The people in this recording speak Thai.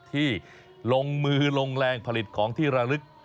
ที่ลงมือลงแรงผลิตของที่ระลึก